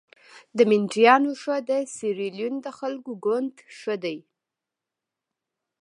د مینډیانو ښه د سیریلیون د خلکو ګوند ښه دي.